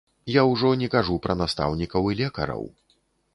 Я ўжо не кажу пра настаўнікаў і лекараў.